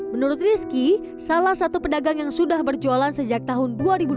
menurut rizky salah satu pedagang yang sudah berjualan sejak tahun dua ribu dua belas